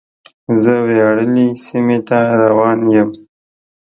زه وياړلې سیمې ته روان یم.